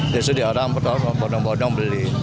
jadi orang bodong bodong beli